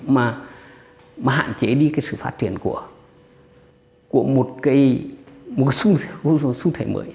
mà hạn chế đi sự phát triển của một xu thế mới